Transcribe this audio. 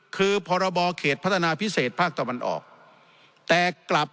คือพรบเขตพัฒนาพิเศษภาคตะวันออก